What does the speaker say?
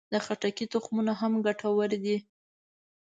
د خټکي تخمونه هم ګټور دي.